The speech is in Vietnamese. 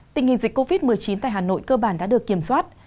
tình hình dịch covid một mươi chín tại hà nội cơ bản đã được kiểm soát